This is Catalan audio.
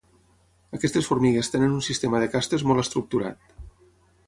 Aquestes formigues tenen un sistema de castes molt estructurat.